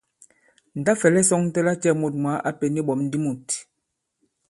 Ǹ ta-fɛ̀lɛ sɔ̄ŋtɛ lacɛ̄ mût mwǎ a pěn iɓɔ̀m di mût!